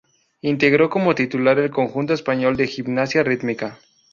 Integró como titular el conjunto español de gimnasia rítmica.